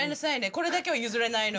これだけは譲れないの。